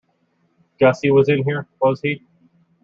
Gussie was in here, was he?